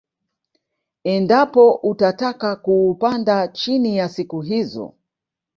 Endapo utataka kuupanda chini ya siku hizo